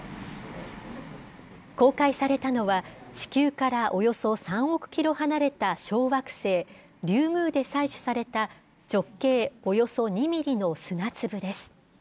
公開されたのは、地球からおよそ３億キロ離れた小惑星、リュウグウで採取された、直径およそ２ミリの砂粒です。